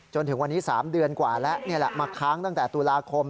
จนถึงวันนี้๓เดือนกว่าแล้วนี่แหละมาค้างตั้งแต่ตุลาคม